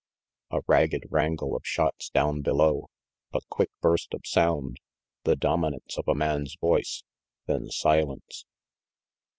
A ragged wrangle of shots down below a quick burst of sound, the dominance of a man's voice then silence.